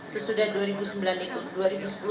sesudah dua ribu sembilan itu